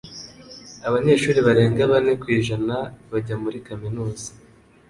Abanyeshuri barenga bane ku ijana bajya muri kaminuza